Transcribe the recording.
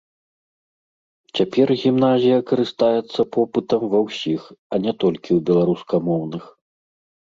Цяпер гімназія карыстаецца попытам ва ўсіх, а не толькі ў беларускамоўных.